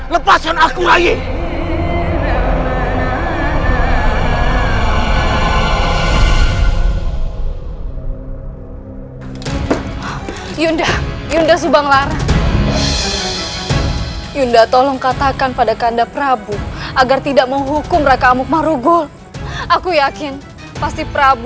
lepaskan aku rai